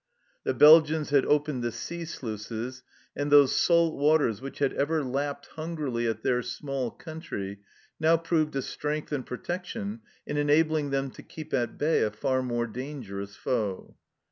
The Belgians had opened the sea sluices, and those salt waters which had ever lapped hungrily at their small country now proved a strength and protection in enabling them to keep at bay a far more dangerous foe.